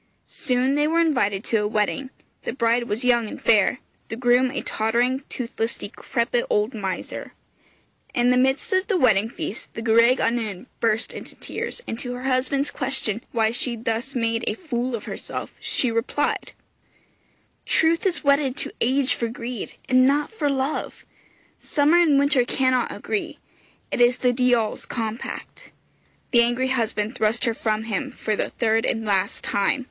Soon they were invited to a wedding; the bride was young and fair, the groom a tottering, toothless, decrepit old miser. In the midst of the wedding feast the gwraig annwn burst into tears, and to her husband's question why she thus made a fool of herself she replied, 'Truth is wedded to age for greed, and not for love summer and winter cannot agree it is the diawl's compact.' The angry husband thrust her from him for the third and last time.